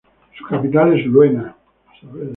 Su capital es Luena.